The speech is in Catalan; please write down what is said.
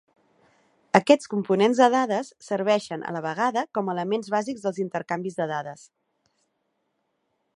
Aquests components de dades serveixen, a la vegada, com a "elements bàsics" dels intercanvis de dades.